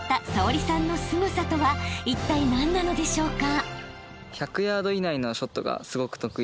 ［いったい何なのでしょうか？］